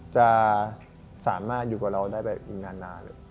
จะสามารถอยู่กับเราได้ไปอีกนานเลย